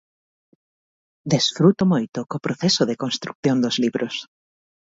Desfruto moito co proceso de construción dos libros.